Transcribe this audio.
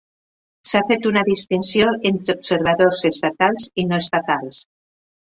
S'ha fet una distinció entre observadors estatals i no estatals.